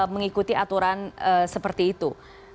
mengikuti aturan seperti itu